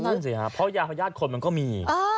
นั่นสิครับเพราะยาพญาติคนมันก็มี